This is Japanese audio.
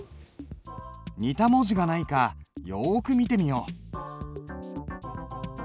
似た文字がないかよく見てみよう。